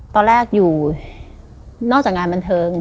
ตอนแรกอยู่นอกจากงานบันเทิง